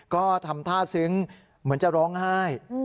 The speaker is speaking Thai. ก็ทำท่าซึ้งเหมือนจะร้องไห้